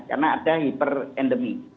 karena ada hiper endemi